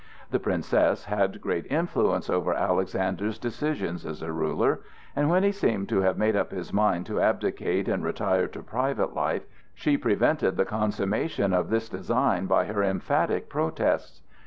The Princess had great influence over Alexander's decisions as a ruler; and when he seemed to have made up his mind to abdicate and retire to private life, she prevented the consummation of this design by her emphatic protests.